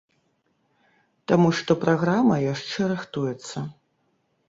Таму што праграма яшчэ рыхтуецца.